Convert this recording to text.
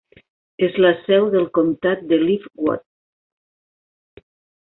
És la seu del comtat de Live Oak.